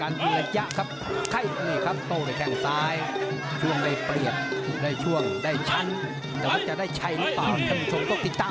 นี่ครับยับซ้ายแล้วเต่ากับแข้งขวา